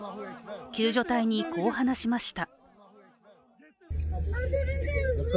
救助隊に、こう話しました。